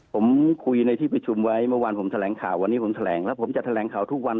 ผมคุยในที่ประชุมไว้เมื่อวานผมแถลงข่าววันนี้ผมแถลงแล้วผมจะแถลงข่าวทุกวัน